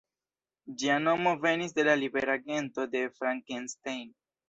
Ĝia nomo venis de la libera gento „de Frankenstein“.